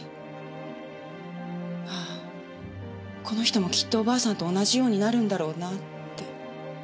この人もきっとおばあさんと同じようになるんだろうなって。